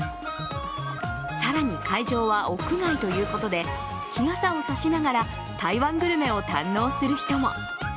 更に、会場は屋外ということで日傘を差しながら台湾グルメを堪能する人も。